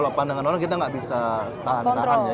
kalau pandangan orang kita nggak bisa tahan tahan ya